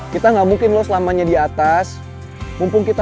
kita bisa dapet